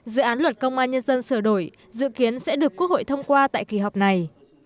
dự án luật công an nhân dân sửa đổi dự kiến sẽ được quốc hội thông qua tại kỳ họp này